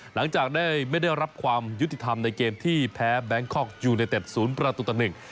หลังจากได้ไม่ได้รับความยุติธรรมในเกมที่แพ้แบงคอกยูเนเต็ดศูนย์ประตูต่อหนึ่ง